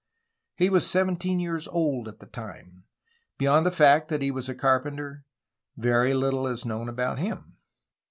He was seventeen years old at the time. Beyond the fact that he was a carpenter, very little is known about him.